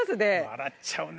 笑っちゃうね。